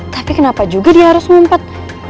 tapi kenapa juga dia harus ngumpet